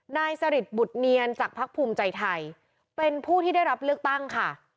นายสริทบุตเนียนจากพักภูมิใจไทยเป็นผู้ที่ได้รับเลือกตั้งค่ะ